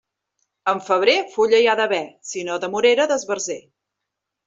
En febrer, fulla hi ha d'haver; si no de morera, d'esbarzer.